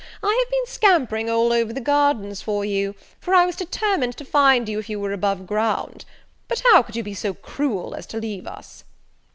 I have been scampering all over the gardens for you, for I was determined to find you, if you were above ground. But how could you be so cruel as to leave us?"